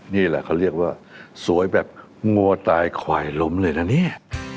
นี่แหละเขาเรียกว่าสวยแบบงัวตายขวายล้มเลยนะเนี่ย